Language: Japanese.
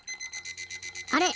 あれ？